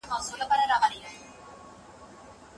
خپل زور مو په بازو دی.